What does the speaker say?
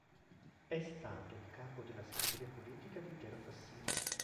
È stato capo della segreteria politica di Piero Fassino.